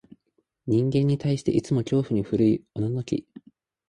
人間に対して、いつも恐怖に震いおののき、